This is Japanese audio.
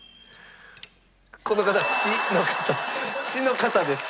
この方が地の方地の方です。